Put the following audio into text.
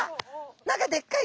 何かでっかい。